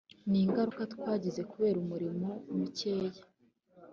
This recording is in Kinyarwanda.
ni ingaruka twagize kubera umuriro mukeya